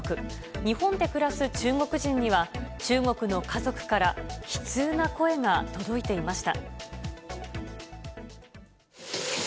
日本で暮らす中国人には、中国の家族から悲痛な声が届いていました。